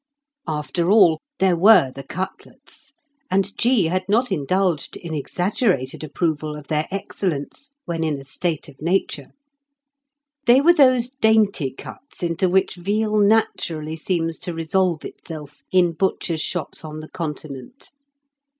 After all, there were the cutlets, and G. had not indulged in exaggerated approval of their excellence when in a state of nature. They were those dainty cuts into which veal naturally seems to resolve itself in butcher's shops on the Continent.